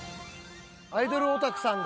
アイドルオタクさんだ。